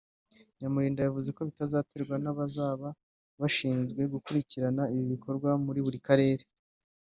Nyamurinda yavuze ko bizaterwa n’abazaba bashinzwe gukurikirana ibi bikorwa muri buri karere